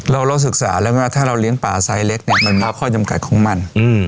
เราศึกษาแล้วไหมว่าถ้าเราเลี้ยงป่าไซส์เล็กเนี่ยมันมีข้อจำกัดของมัน